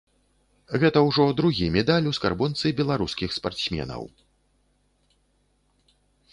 Гэта ўжо другі медаль у скарбонцы беларускіх спартсменаў.